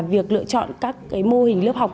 việc lựa chọn các mô hình lớp học